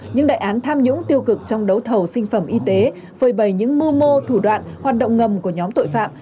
những đại án tham nhũng tiêu cực trong đấu thầu sinh phẩm y tế phơi bày những mưu mô thủ đoạn hoạt động ngầm của nhóm tội phạm